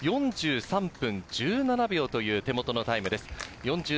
４３分１７秒という手元のタイムです。